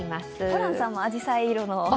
ホランさんもあじさい色の。